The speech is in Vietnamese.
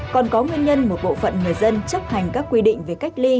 còn có nguyên nhân một bộ phận người dân chấp hành các quy định về cách ly